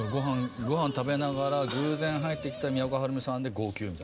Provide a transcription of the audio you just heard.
御飯食べながら偶然入ってきた都はるみさんで号泣みたいな。